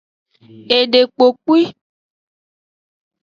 Edekpopwi.